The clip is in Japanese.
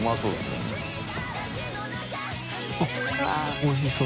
おいしそう。